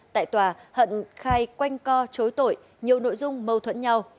tại tòa hận khai quanh co chối tội nhiều nội dung mâu thuẫn nhau